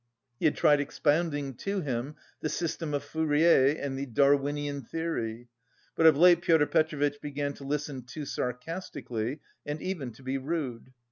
He had tried expounding to him the system of Fourier and the Darwinian theory, but of late Pyotr Petrovitch began to listen too sarcastically and even to be rude.